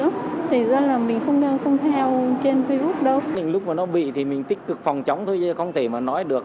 cũng thấy nhiều lúc mà nó bị thì mình tích cực phòng chống thôi chứ không thể mà nói được